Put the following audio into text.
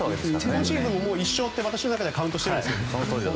今シーズンも１勝って私の中ではカウントしてるんですけどね。